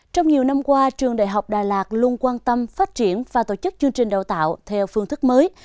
trong nhiều năm qua trường đại học đà lạt luôn quan tâm phát triển và tổ chức chương trình đào tạo theo phương thức mới